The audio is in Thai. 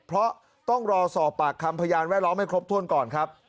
เพราะต้องรอสอบปากคำพยานแวดล้อมให้ครบถ้วนก่อนครับ